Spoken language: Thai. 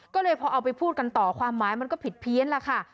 ก็เลยพอเอาไปพูดกันต่อความหมายมันก็ผิดเพี้ยนล่ะค่ะ